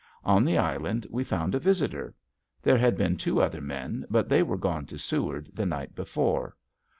On the island we found a visitor. There had been two other men but they were gone to Seward the night before.